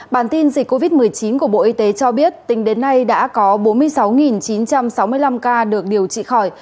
bản tin dịch covid một mươi chín của bộ y tế cho biết tính đến nay đã có bốn mươi sáu chín trăm sáu mươi năm ca được điều trị khỏi